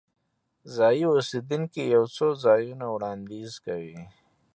ځایي اوسیدونکي یو څو ځایونه وړاندیز کوي.